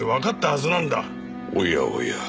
おやおや。